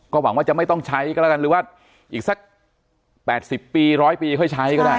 หวังว่าจะไม่ต้องใช้ก็แล้วกันหรือว่าอีกสัก๘๐ปี๑๐๐ปีค่อยใช้ก็ได้